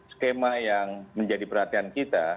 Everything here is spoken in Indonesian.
skema yang menjadi perhatian kita